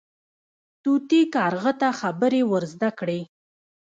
طوطي کارغه ته خبرې ور زده کړې.